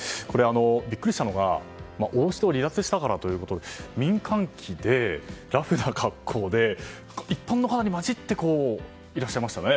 ビックリしたのが王室を離脱したからということで民間機でラフな格好で一般の方に交じっていらっしゃいましたね。